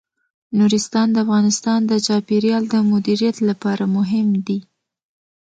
نورستان د افغانستان د چاپیریال د مدیریت لپاره مهم دي.